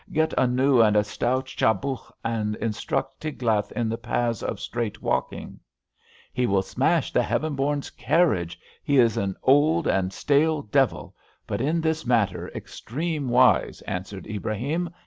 Get a new and a stout chabuq, and instruct Tiglath in the paths of straight walking.'* '* He will smash the Heaven bom's carriage. He is an old and stale devil, but in this matter extreme wise,'' answered Ibrahim.